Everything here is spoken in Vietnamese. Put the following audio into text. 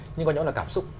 nhưng còn nhau là cảm xúc